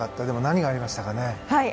でも何がありましたかね。